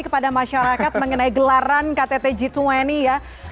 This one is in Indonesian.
kepada masyarakat mengenai gelaran ktt g dua puluh ya